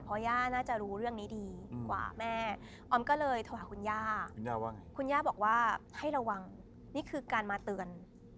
เพราะย่าน่าจะรู้เรื่องนี้ดีกว่าแม่ออมก็เลยโทรหาคุณย่าคุณย่าว่าไงคุณย่าบอกว่าให้ระวังนี่คือการมาเตือน